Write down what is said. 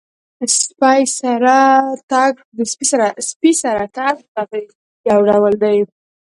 سپي سره تګ د تفریح یو ډول دی.